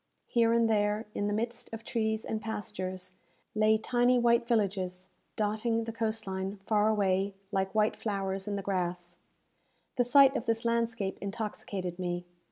Here and there, in the midst of trees and pastures, lay tiny white villages, dotting the coast line far away, like white flowers in the grass. The sight of this landscape intoxicated me.